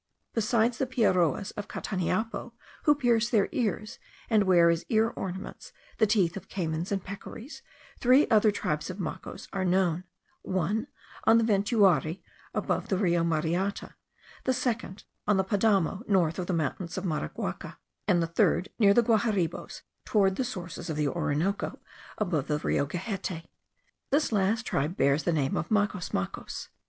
Besides the Piaroas of Cataniapo, who pierce their ears, and wear as ear ornaments the teeth of caymans and peccaries, three other tribes of Macos are known: one, on the Ventuari, above the Rio Mariata; the second, on the Padamo, north of the mountains of Maraguaca; and the third, near the Guaharibos, towards the sources of the Orinoco, above the Rio Gehette. This last tribe bears the name of Macos Macos.